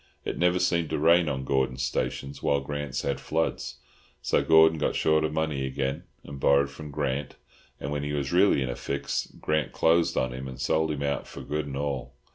It never seemed to rain on Gordon's stations, while Grant's had floods. So Gordon got short of money again and borrowed from Grant, and when he was really in a fix Grant closed on him and sold him out for good and all."